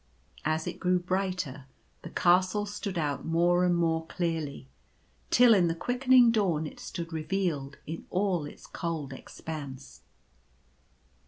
As it grew brighter the Castle stood out more and more clearly ; till in the quickening dawn it stood revealed in all its cold expanse.